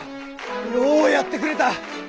ようやってくれた。